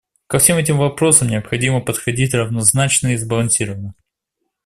Ко всем этим вопросам необходимо подходить равнозначно и сбалансированно.